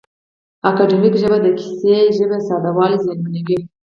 اکاډیمیکه ژبه د کیسه یي ژبې ساده والی زیانمنوي.